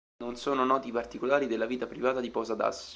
Non sono noti i particolari della vita privata di Posadas.